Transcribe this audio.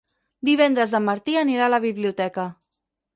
Divendres en Martí anirà a la biblioteca.